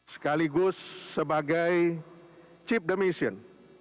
sekaligus sebagai cip demisien